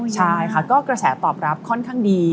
ใช่ค่ะก็กระแสตอบรับค่อนข้างดี